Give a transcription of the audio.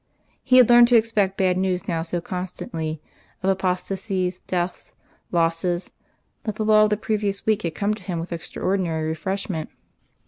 He had learned to expect bad news now so constantly of apostasies, deaths, losses that the lull of the previous week had come to him with extraordinary refreshment.